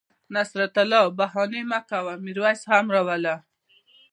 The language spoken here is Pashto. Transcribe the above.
نصرت الله بهاني مه کوه میرویس هم را وله